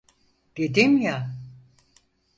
Dedim ya.